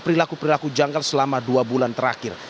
perilaku perilaku jangkar selama dua bulan terakhir